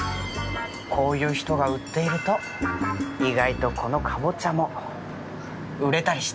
こういう人が売っていると意外とこのかぼちゃも売れたりして。